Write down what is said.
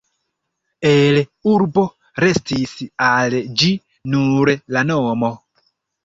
El urbo restis al ĝi nur la nomo.